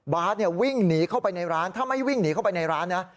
วิ่งหนีเข้าไปในร้านถ้าไม่วิ่งหนีเข้าไปในร้านนะ